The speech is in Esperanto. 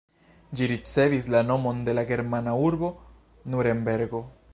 Ĝi ricevis la nomon de la germana urbo Nurenbergo.